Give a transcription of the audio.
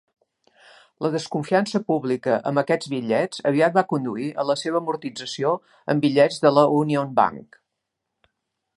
La desconfiança pública amb aquests bitllets aviat va conduir a la seva amortització amb bitllets de la Union Bank.